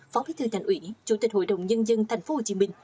phó bí thư thành ủy chủ tịch hội đồng nhân dân tp hcm